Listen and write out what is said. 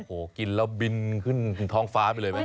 โอ้โหกินแล้วบินขึ้นถึงท้องฟ้าไปเลยไหม